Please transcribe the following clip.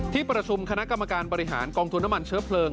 ที่ประชุมคณะกรรมการบริหารกองทุนน้ำมันเชื้อเพลิง